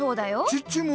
チッチも？